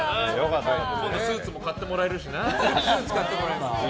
今度スーツも買ってもらえるしな。